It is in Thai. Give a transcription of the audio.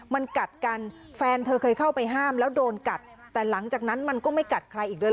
มันกัดกันแฟนเธอเคยเข้าไปห้ามแล้วโดนกัดแต่หลังจากนั้นมันก็ไม่กัดใครอีกด้วย